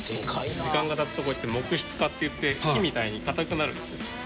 時間が経つとこうやって木質化っていって木みたいに硬くなるんです。